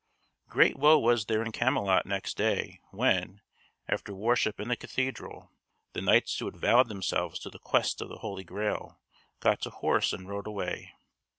Great woe was there in Camelot next day when, after worship in the cathedral, the knights who had vowed themselves to the Quest of the Holy Grail got to horse and rode away.